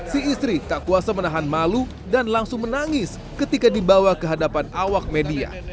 si istri tak kuasa menahan malu dan langsung menangis ketika dibawa ke hadapan awak media